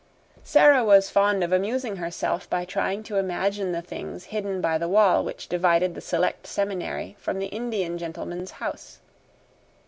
Sara was fond of amusing herself by trying to imagine the things hidden by the wall which divided the Select Seminary from the Indian gentleman's house.